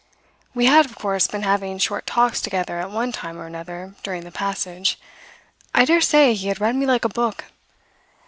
"We had, of course, been having short talks together at one time or another during the passage. I dare say he had read me like a book.